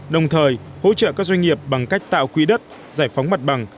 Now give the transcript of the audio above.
đồng thời hỗ trợ các doanh nghiệp bằng cách tạo quỹ đất giải phóng mặt bằng